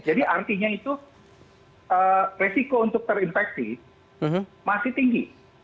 jadi artinya itu resiko untuk terinfeksi masih tinggi